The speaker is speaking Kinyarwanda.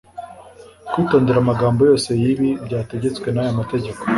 kwitondera amagambo yose y'ibi byategetswe n'aya mategeko